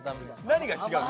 何が違うの？